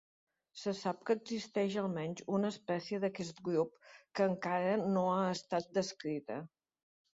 Se sap que existeix almenys una espècie d'aquest grup que encara no ha estat descrita.